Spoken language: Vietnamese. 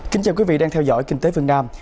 kính chào quý vị đang theo dõi kinh tế phương nam